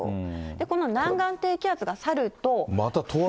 この南岸低気圧が去ると。